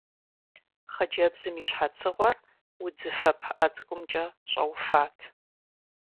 Хъыджэбзым и щхьэцыгъуэр удзыфэ пыӀэ цӀыкӀумкӀэ щӀэуфат.